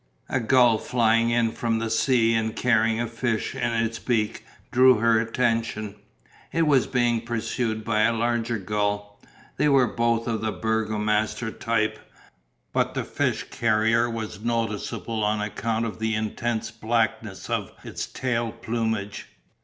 A gull flying in from the sea and carrying a fish in its beak drew her attention; it was being pursued by a larger gull. They were both of the Burgomaster type, but the fish carrier was noticeable on account of the intense blackness of its tail plumage.